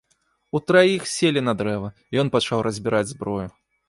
Утраіх селі на дрэва, і ён пачаў разбіраць зброю.